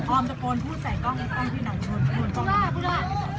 ถ้าโอเคให้หมดลงได้เลยดอกด้วยนะ